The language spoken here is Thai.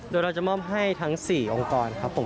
โดยเราจะมอบให้ทั้ง๔องค์กรครับผม